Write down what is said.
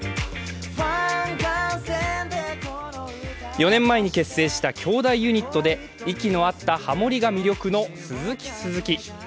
４年前に結成した兄弟ユニットで息の合ったハモりが魅力の鈴木鈴木。